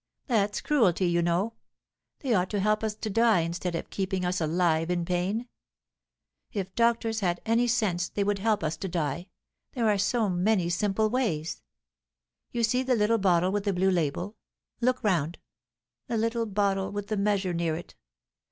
That's cruelty, you know. They ought to help us to die instead of keeping us alive in pain. If doctors had any sense they would help us to die; there are so many simple ways. You see the little bottle with the blue label; look round; the little bottle with the measure near it.